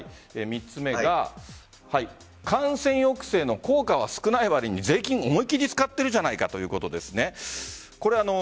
３つ目が感染抑制の効果は少ないわりに税金、思い切り使ってるじゃないかということです。